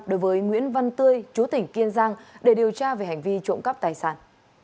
đối với nguyễn văn tươi chú tỉnh kiên giang để điều tra về hành vi trộm cắp tài sản